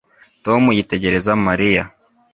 Tom yitegereza Mariya